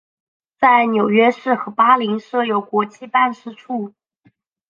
在纽约市和巴林设有国际办事处。